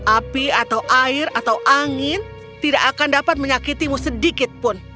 api atau air atau angin tidak akan dapat menyakitimu sedikitpun